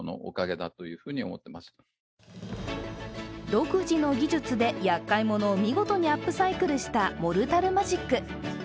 独自の技術でやっかいものを見事にアップサイクルしたモルタルマジック。